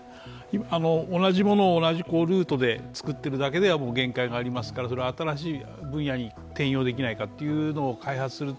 同じものを同じルートで作っているだけでは限界がありますから新しい分野に転用できないかというのを開発すると。